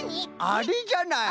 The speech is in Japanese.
あれじゃない。